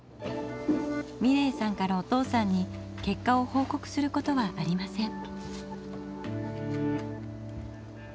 美礼さんからお父さんに結果を報告することはありません。